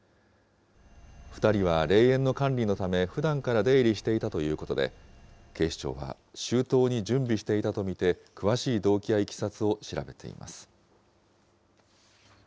２人は霊園の管理のため、ふだんから出入りしていたということで、警視庁は周到に準備していたと見て、詳しい動機やいきさつを調べています。